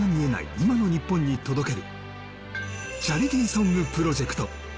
今の日本に届ける、チャリティーソングプロジェクト。